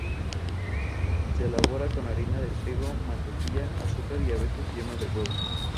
Jacksonville, el lugar donde creció, es considerado la cuna del rock sureño.